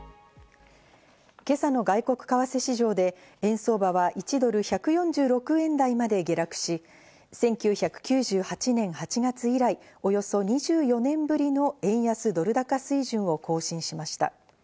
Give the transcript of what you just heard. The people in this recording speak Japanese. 今朝の外国為替市場で円相場は１ドル＝１４６円台まで下落し、１９９８年８月以来、およそ２４年ぶりの円安ドル高水準を更新しました。